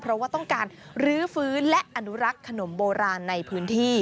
เพราะว่าต้องการรื้อฟื้นและอนุรักษ์ขนมโบราณในพื้นที่